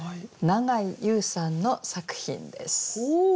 永井祐さんの作品です。